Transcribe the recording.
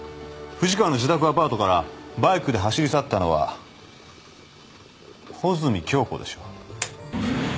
藤川の自宅アパートからバイクで走り去ったのは穂積京子でしょう。